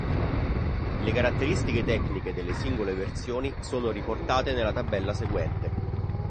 Le caratteristiche tecniche delle singole versioni sono riportate nella tabella seguente.